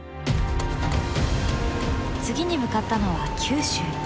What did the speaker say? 次に向かったのは九州。